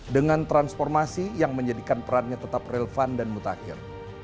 dengan transformasi yang menjadikan perannya tetap relevan dan mutakhir